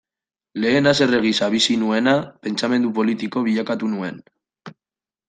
Lehen haserre gisa bizi nuena, pentsamendu politiko bilakatu nuen.